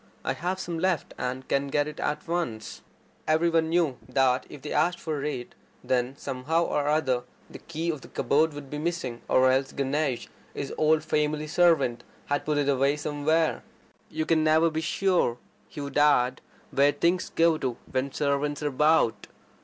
I have some left, and can get it at once." Every one knew, that, if they asked for it, then somehow or other the key of the cupboard would be missing; or else Ganesh, his old family servant, had put it away somewhere. "You never can be sure," he would add, "where things go to when servants are about.